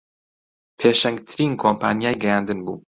پێشەنگترین کۆمپانیای گەیاندن بوو